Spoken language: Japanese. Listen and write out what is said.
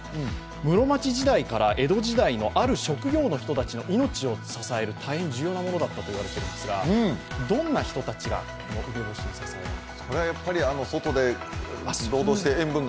室町時代から江戸時代のある職業の人たちの命を支える大変重要なものだったそうですがどんな人たちがこの梅干しに支えられてた？